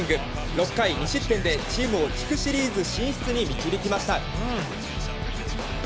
６回２失点でチームを地区シリーズ進出に導きました。